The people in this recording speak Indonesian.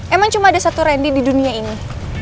emang cuma ada satu randy di dunia ini